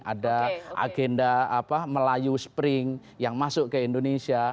ada agenda melayu spring yang masuk ke indonesia